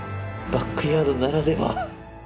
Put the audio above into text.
バックヤードならでは。